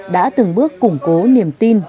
đã từng bước củng cố niềm tin